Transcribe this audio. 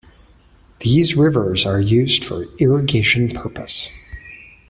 These rivers are used for irrigation purpose.